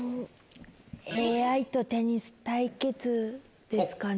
ＡＩとテニス対決ですかね。